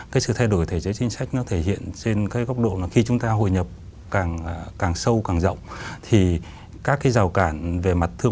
cái sự thay đổi thể chế chính sách nó thể hiện trên cái góc độ là khi chúng ta hồi nhập càng sâu càng rộng